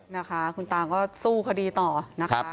นะคะคุณตาก็สู้คดีต่อนะคะ